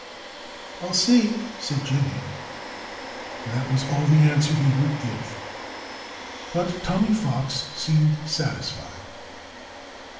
"I'll see," said Jimmy. And that was all the answer he would give. But Tommy Fox seemed satisfied.